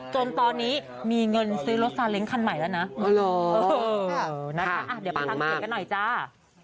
จนตอนนี้มีเงินซื้อรถสาเล็งคันใหม่แล้วนะเออน่ะค่ะเดี๋ยวพังกันหน่อยกันหน่อยจ้า